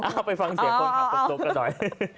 เอาไปฟังเสียงคนขับตุ๊กกันหน่อย